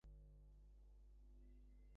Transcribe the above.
তো, ব্যাপারটা সরাসরি বলে দেই।